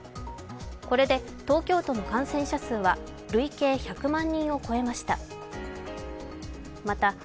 これで東京都の感染者数は累計１００万人を超えました。